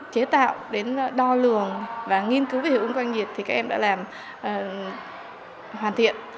chế tạo đến đo lường và nghiên cứu về hiệu quả nhiệt thì các em đã làm hoàn thiện